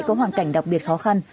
có hoàn cảnh đặc biệt khó khăn